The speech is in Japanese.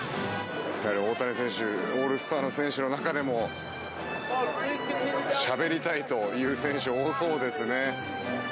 大谷選手オールスターの選手の中でもしゃべりたいという選手多そうですね。